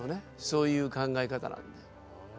そういう考え方なんで。